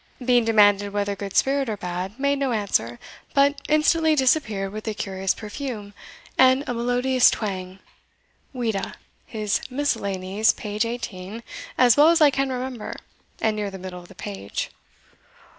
Being demanded whether good spirit or bad, made no answer, but instantly disappeared with a curious perfume, and a melodious twang' Vide his Miscellanies, p. eighteen, as well as I can remember, and near the middle of the page."